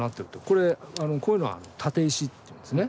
これこういうのは「立石」っていうんですね。